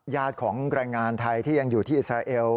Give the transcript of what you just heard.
ของแรงงานไทยที่ยังอยู่ที่อิสราเอล